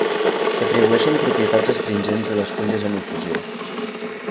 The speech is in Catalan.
S'atribueixen propietats astringents de les fulles en infusió.